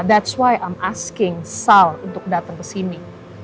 itulah kenapa saya meminta sal untuk datang ke sini